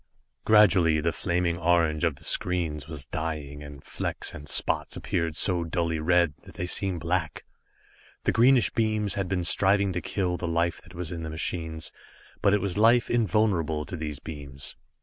Gradually the flaming orange of the screens was dying and flecks and spots appeared so dully red, that they seemed black. The greenish beams had been striving to kill the life that was in the machines, but it was life invulnerable to these beams.